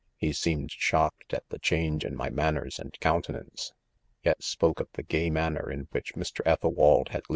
He seemed shocked at the change in my manners and countenance, yet spoke of the gay manner in which Mr. Ethel wald had.